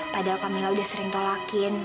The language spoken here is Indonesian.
padahal kamila udah sering tolakin